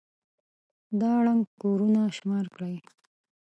دا ړنـګ كورونه شمار كړئ.